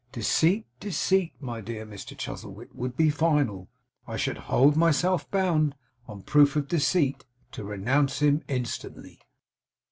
Deceit deceit, my dear Mr Chuzzlewit, would be final. I should hold myself bound, on proof of deceit, to renounce him instantly.